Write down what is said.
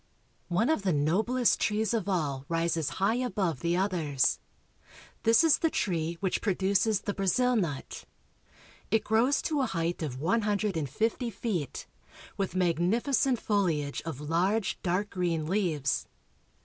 One of the noblest trees of all rises high above the TRIP ON THE AMAZON. 323 Others. This is the tree which produces the Brazil nut. It grows to a height of one hundred and fifty feet, with magnificent foHage of large dark green leaves.